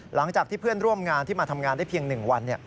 หลังจากที่เพื่อนร่วมงานที่มาทำงานได้เพียง๑วัน